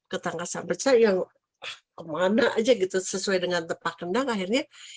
ketangkasan penca yang kemana aja gitu sesuai dengan tepat rendang akhirnya